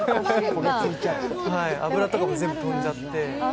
油とかも全部飛んじゃって。